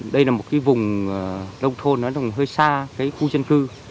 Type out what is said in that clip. đây là một vùng lâu thôn hơi xa khu dân cư